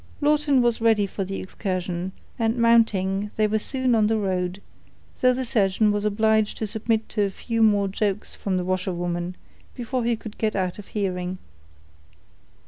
Lawton was ready for the excursion; and mounting, they were soon on the road, though the surgeon was obliged to submit to a few more jokes from the washerwoman, before he could get out of hearing.